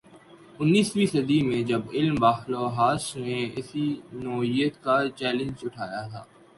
انیسویں صدی میں جب علم بالحواس نے اسی نوعیت کا چیلنج اٹھایا تھا۔